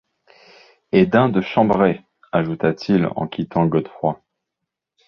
Et d’un de chambré! ajouta-t-il en quittant Godefroid.